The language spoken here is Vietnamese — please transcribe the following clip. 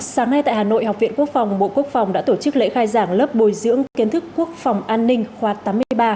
sáng nay tại hà nội học viện quốc phòng bộ quốc phòng đã tổ chức lễ khai giảng lớp bồi dưỡng kiến thức quốc phòng an ninh khoa tám mươi ba